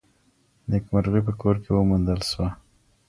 نېکمرغي په کور کي وموندل سوه.